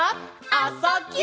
「あ・そ・ぎゅ」